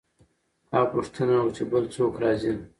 هغه پوښتنه وکړه چې بل څوک راځي؟